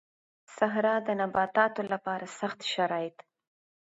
صحرا د نباتاتو لپاره سخت شرايط